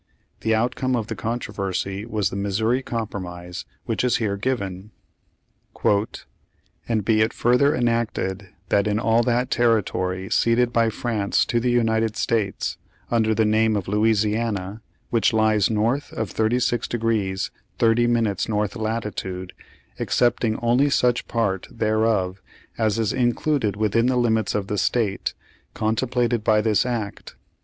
The outcome of the controversy was the Missouri Compromise which is here given: "And be it further enacted, That in all that Territory ceded by France to the United States, under the name of Louisiana, which lies north of thirty six degrees thirty minutes north latitude, excepting only such part thereof as is included within the limits of the State contemplated by this act.